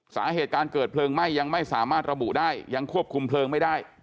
สาเหตุการเกิดเพลิงไหม้ยังไม่สามารถระบุได้ยังควบคุมเพลิงไม่ได้